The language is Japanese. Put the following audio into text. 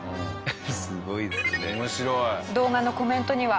すごいですね。